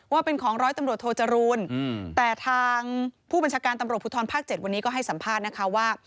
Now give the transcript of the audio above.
ว่าเป็นของร้อยตำรวจโทจรูนแต่ทางผู้บัญชาการตำรวจภูทรภาค๗วันนี้ก็ให้สัมภาษณ์นะคะว่า